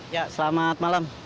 ya selamat malam